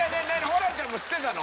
ホランちゃんも知ってたの？